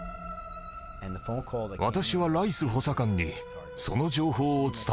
私はライス補佐官にその情報を伝えました。